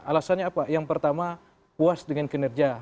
alasannya apa yang pertama puas dengan kinerja